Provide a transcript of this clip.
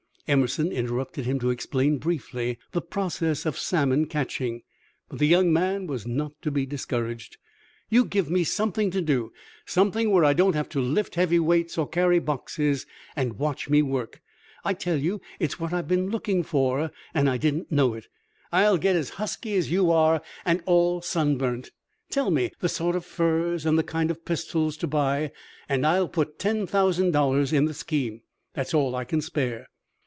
Emerson interrupted him to explain briefly the process of salmon catching, but the young man was not to be discouraged. "You give me something to do something where I don't have to lift heavy weights or carry boxes and watch me work! I tell you, it's what I've been looking for, and I didn't know it; I'll get as husky as you are and all sunburnt. Tell me the sort of furs and the kind of pistols to buy, and I'll put ten thousand dollars in the scheme. That's all I can spare."